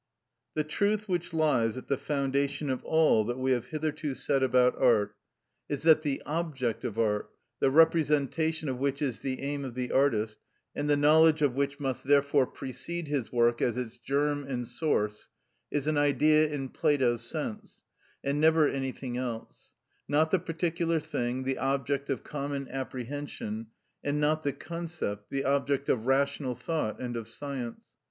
The truth which lies at the foundation of all that we have hitherto said about art, is that the object of art, the representation of which is the aim of the artist, and the knowledge of which must therefore precede his work as its germ and source, is an Idea in Plato's sense, and never anything else; not the particular thing, the object of common apprehension, and not the concept, the object of rational thought and of science.